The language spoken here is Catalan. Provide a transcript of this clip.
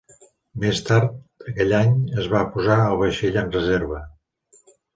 Més tard aquell any, es va posar el vaixell en reserva.